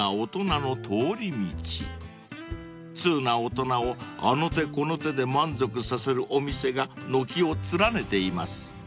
［通な大人をあの手この手で満足させるお店が軒を連ねています］